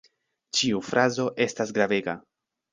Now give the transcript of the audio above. Ĉiu frazo estas gravega.